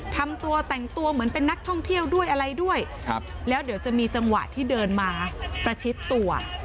ทำตัวแต่งตัวเหมือนเป็นนักท่องเที่ยวด้วยอะไรด้วยครับแล้วเดี๋ยวจะมีจังหวะที่เดินมาประชิดตัว